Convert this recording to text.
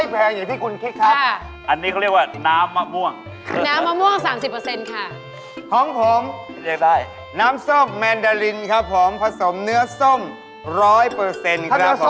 พี่ครับต้นผสมน้ำอ่ะหุ่นนะครับ๑๐๐นะฮะ